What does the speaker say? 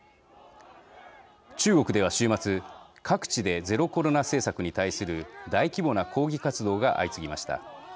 中国では週末、各地でゼロコロナ政策に対する大規模な抗議活動が相次ぎました。